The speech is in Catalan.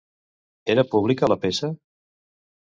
Era pública la peça?